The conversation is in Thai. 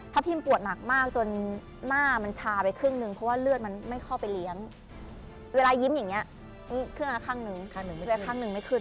ข้างนึงข้างหนึ่งไม่ขึ้น